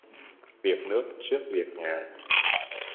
Việc nước trước việc nhà.